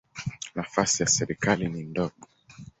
Nafasi ya serikali ni ndogo.